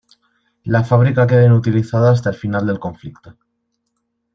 La fábrica queda inutilizada hasta el final del conflicto.